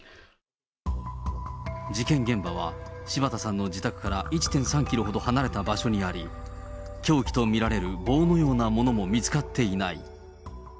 事件現場は、柴田さんの自宅から１．３キロほど離れた場所にあり、凶器と見られる棒のようなものも見つかっていない。